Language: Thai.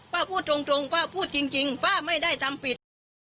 พูดตรงป้าพูดจริงป้าไม่ได้ทำผิด